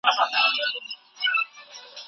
تاوتریخوالی پرمختګ زیانمنوي.